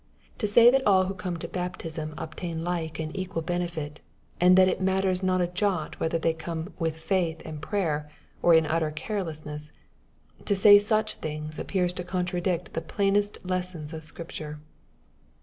To say that all who come to baptism obtain like and equal benefit, — and that it matters not a jot whether they come with faith and prayer, or in utter carelessness, — ^to say such things appears to contradict the plainest lessons of Scripture.